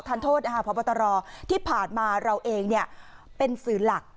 โทษนะคะพบตรที่ผ่านมาเราเองเป็นสื่อหลัก